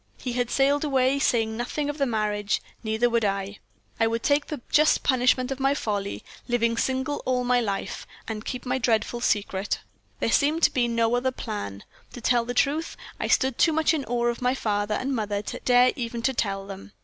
He had sailed away, saying nothing of the marriage, neither would I. I would take the just punishment of my folly, live single all my life, and keep my dreadful secret. There seemed to me no other plan. To tell the truth, I stood too much in awe of my father and mother to dare even to tell them.